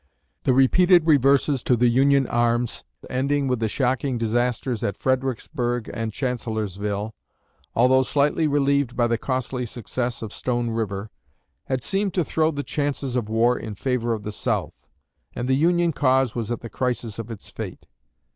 The repeated reverses to the Union arms ending with the shocking disasters at Fredericksburg and Chancellorsville although slightly relieved by the costly success of Stone River had seemed to throw the chances of war in favor of the South; and the Union cause was at the crisis of its fate.